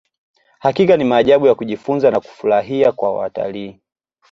hakika ni maajabu ya kujifunza na kufurahia kwa watalii